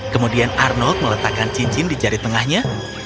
kemudian arnold meletakkan cincin di jari tengahnya